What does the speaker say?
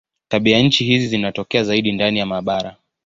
Tabianchi hizi zinatokea zaidi ndani ya mabara.